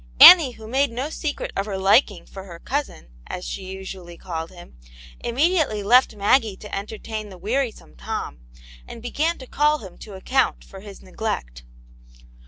Annie, who made no secret of her liking for her " cousin," as she usually called him, immediately left Maggie to entertain the wearisome Tom, and began to call him to account for his neglect.